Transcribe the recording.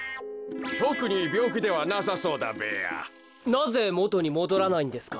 なぜもとにもどらないんですか？